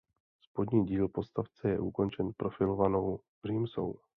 Spodní díl podstavce je ukončen profilovanou římsou.